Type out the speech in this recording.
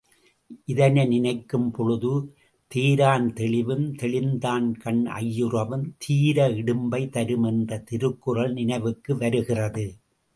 இதனை நினைக்கும் பொழுது தேரான் தெளிவும் தெளிந்தான்கண் ஐயுறவும் தீரா இடும்பை தரும் என்ற திருக்குறள் நினைவுக்கு வருகிறது.